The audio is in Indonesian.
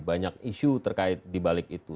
banyak isu terkait dibalik itu